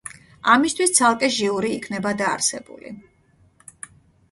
ამისთვის ცალკე ჟიური იქნება დაარსებული.